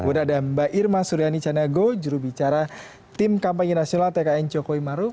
kemudian ada mbak irma suryani canago juru bicara tim kampanye nasional tkn cokoi maru